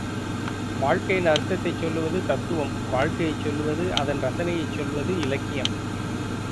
வாழ்க்கையின் அர்த்தத்தைச் சொல்லுவது தத்துவம், வாழ்க்கையைக் சொல்வது, அதன் ரசனையைச் சொல்வது இலக்கியம்.